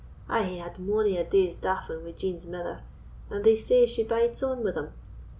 I hae had mony a day's daffing wi' Jean's mither, and they say she bides on wi' them.